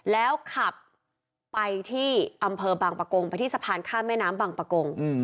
แล้วขับไปที่อำเภอบางประกงไปที่สะพานข้ามแม่น้ำบางประกง